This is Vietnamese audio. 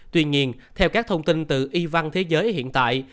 tuy nhiên theo các thông tin từ y văn thế giới hiện tại